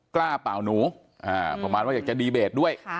กล้าเป่าหนูประมาณว่าอยากจะดีเบตด้วย